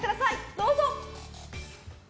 どうぞ。